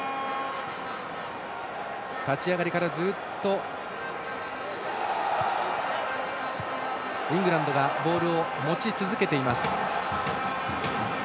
立ち上がりからずっとイングランドがボールを持ち続けています。